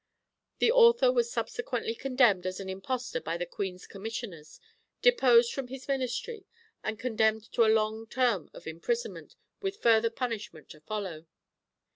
The author was subsequently condemned as an impostor by the Queen's commissioners, deposed from his ministry, and condemned to a long term of imprisonment with further punishment to follow.